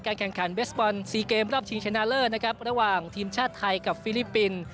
การแข่งขันเวสบอลสี่เกมรอบทิมชัยนานเลิศระหว่างทีมชาติไทยกับฟิลิปปินส์